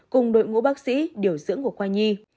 cùng đội ngũ bác sĩ điều dưỡng của khoa nhi